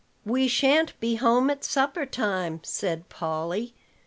"We shan't be home at supper time," said Polly.